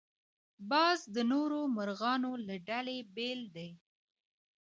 باز د نورو مرغانو له ډلې بېل دی